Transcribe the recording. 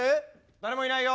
誰もいないよ。